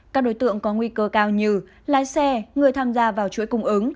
các đối tượng có nguy cơ cao như lái xe người tham gia vào chuỗi cung ứng